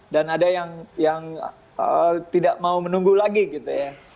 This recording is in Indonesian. dan ada yang tidak mau menunggu lagi gitu ya